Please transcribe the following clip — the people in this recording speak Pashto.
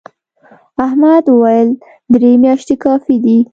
احمد وويل: درې میاشتې کافي دي.